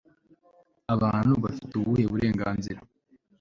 abantu bafite ubuhe burenganzira